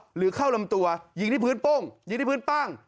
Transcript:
หรือเข้าลำตัวยิงที่พื้นโป้งยิงที่พื้นปั้ง